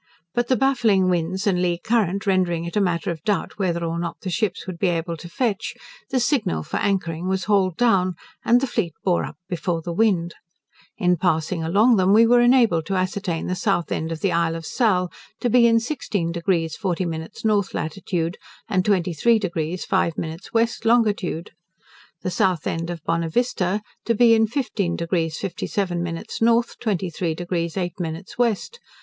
But the baffling winds and lee current rendering it a matter of doubt whether or not the ships would be able to fetch, the signal for anchoring was hauled down, and the fleet bore up before the wind. In passing along them we were enabled to ascertain the south end of the Isle of Sal to be in 16 deg 40 min north latitude, and 23 deg 5 min west longitude. The south end of Bonavista to be in 15 deg 57 min north, 23 deg 8 min west.